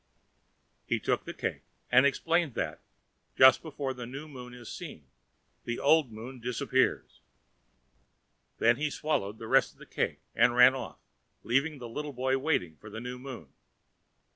He then took the cake, and explained that, just before the new moon is seen, the old moon disappears. Then he swallowed the rest of the cake and ran off, leaving the little boy waiting for the new moon.